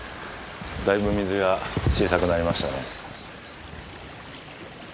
だいぶ水が小さくなりましたね。